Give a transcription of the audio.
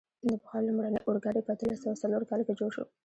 د بخار لومړنی اورګاډی په اتلس سوه څلور کال کې جوړ شو.